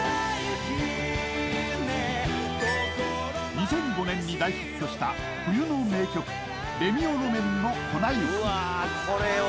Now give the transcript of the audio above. ２００５年に大ヒットした冬の名曲、レミオロメンの「粉雪」。